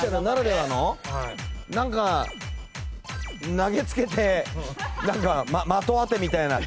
投げつけて的当てみたいな。